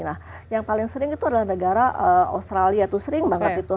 nah yang paling sering itu adalah negara australia tuh sering banget itu